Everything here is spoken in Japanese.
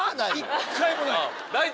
１回もないよ。